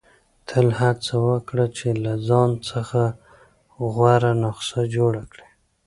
• تل هڅه وکړه چې له ځان څخه غوره نسخه جوړه کړې.